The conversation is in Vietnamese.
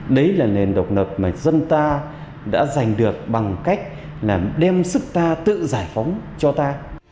đấy là nền độc lập mà dân ta đã giành được bằng cách đem sức ta tự giải phóng cho ta